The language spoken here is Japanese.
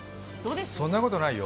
そんなことないよ。